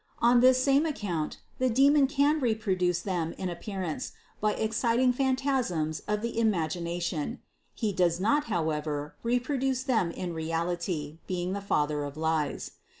On this same account the demon can reproduce them in appearance by exciting phantasms of the imagi nation; he does not, however, reproduce them in reality, 494 CITY OF GOD being the father of lies.